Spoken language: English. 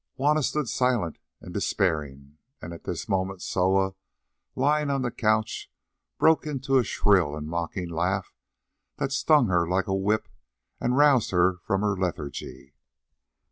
Juanna stood silent and despairing, and at this moment Soa, lying on the couch, broke into a shrill and mocking laugh that stung her like a whip and roused her from her lethargy.